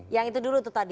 yang itu dulu tuh tadi